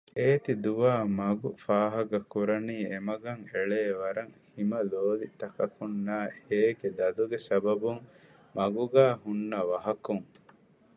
އޭތި ދުވާމަގު ފާހަކަކުރަނީ އެމަގަށް އެޅޭ ވަރަށް ހިމަލޯލިތަކަކުންނާ އޭގެ ދަލުގެ ސަބަބުން މަގުގައި ހުންނަ ވަހަކުން